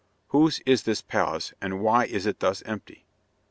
Whose is this palace, and why is it thus empty?"